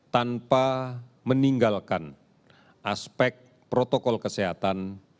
tanpa meninggalkan aspek protokol kesehatan